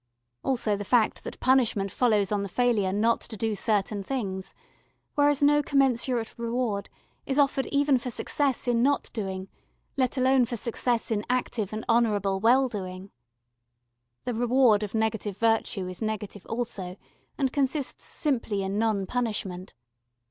Also the fact that punishment follows on the failure not to do certain things whereas no commensurate reward is offered even for success in not doing, let alone for success in active and honourable well doing. The reward of negative virtue is negative also, and consists simply in non punishment.